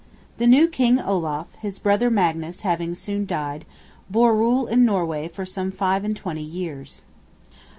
The new King Olaf, his brother Magnus having soon died, bore rule in Norway for some five and twenty years.